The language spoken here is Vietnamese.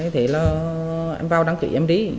thế là em vào đăng ký em đi